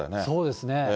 そうですね。